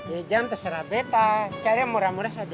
jangan terserah betta caranya murah murah saja